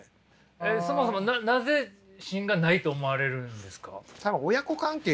えっそもそもなぜ芯がないと思われるんですか？